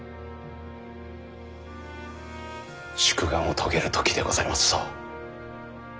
宿願を遂げる時でございますぞ。